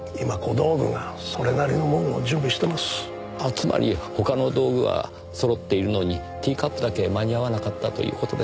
つまり他の道具は揃っているのにティーカップだけ間に合わなかったという事ですか？